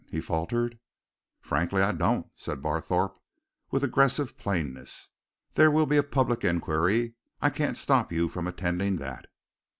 he faltered. "Frankly, I don't," said Barthorpe, with aggressive plainness. "There will be a public inquiry I can't stop you from attending that."